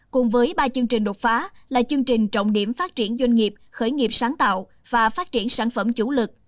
cùng với ba chương trình đột phá là chương trình trọng điểm phát triển doanh nghiệp khởi nghiệp sáng tạo và phát triển sản phẩm chủ lực